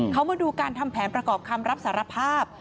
เขามาดูการทำแผนประกอบคำรับสารภาพ